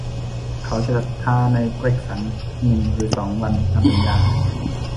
เขาจะศรัทธาในเกรกสันหนึ่งหรือสองวันตามสัญญา